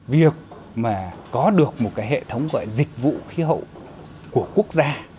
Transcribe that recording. việc mà có được một hệ thống gọi là dịch vụ khí hậu của quốc gia